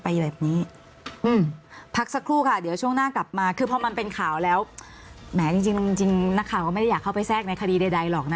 แม่หนูขอกลับดึกหานั้นเทศกาล